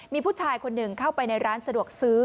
มีผู้ชายคนหนึ่งเข้าไปในร้านสะดวกซื้อ